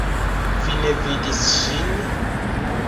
Vi ne vidis ŝin?